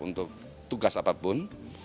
untuk tugas apapun